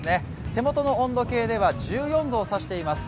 手元の温度計では１４度を指しています。